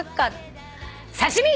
「刺身」！